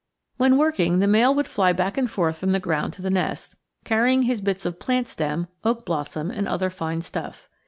When working, the male would fly back and forth from the ground to the nest, carrying his bits of plant stem, oak blossom, and other fine stuff.